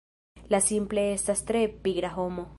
Li simple estas tre pigra homo